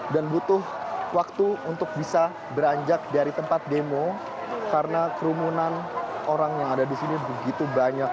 dan butuh waktu untuk bisa beranjak dari tempat demo karena kerumunan orang yang ada di sini begitu banyak